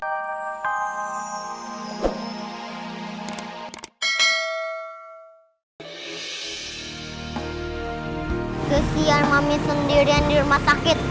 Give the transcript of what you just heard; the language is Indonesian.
sosial mami sendirian di rumah sakit